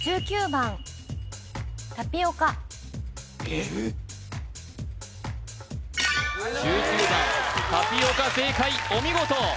１９番タピオカ正解お見事！